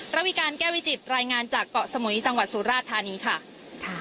ระวิการแก้วิจิตรายงานจากเกาะสมุยจังหวัดสุราชธานีค่ะ